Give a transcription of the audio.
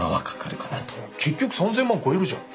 結局３，０００万超えるじゃん。